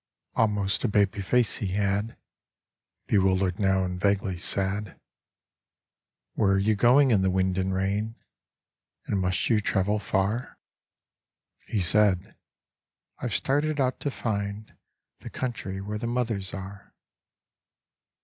Almost a baby face he had, Bewildered now and vaguely sad. " Where are you going in the wind And rain? And must you travel far? " He said, " I've started out to find The country where the mothers are."